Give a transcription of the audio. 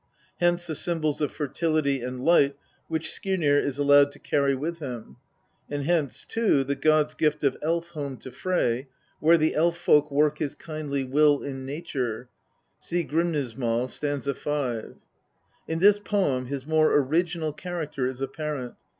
Hence the symbols of fertility and lipht which Skirnir is allowed to carry with him, and hence too the gods' gift of Elf home to Frey, where the elf folk work his kindly will in nature (see Grm., st. 5). In this poem his more original character is apparent.